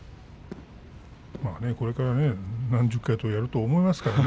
これから何十回とやると思いますからね。